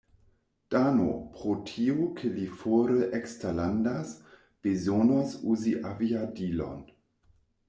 Dano, pro tio ke li fore eksterlandas, bezonos uzi aviadilon.